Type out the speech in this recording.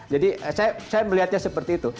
jadi saya melihatnya seperti itu